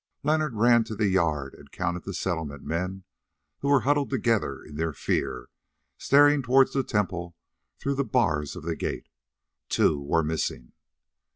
Leonard ran to the yard and counted the Settlement men, who were huddled together in their fear, staring towards the temple through the bars of the gate. Two were missing.